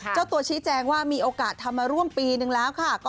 เจ้าตัวชี้แจงว่ามีโอกาสทำมาร่วมปีนึงแล้วค่ะ